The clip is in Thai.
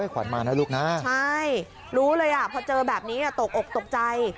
ขวัญมานะลูกนะใช่รู้เลยอ่ะพอเจอแบบนี้ตกอกตกใจ